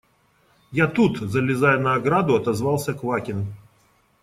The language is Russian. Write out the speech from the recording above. – Я тут, – залезая на ограду, отозвался Квакин.